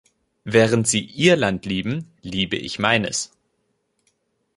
Während Sie Ihr Land lieben, liebe ich meines.